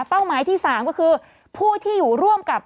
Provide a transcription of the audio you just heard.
หมายที่๓ก็คือผู้ที่อยู่ร่วมกับ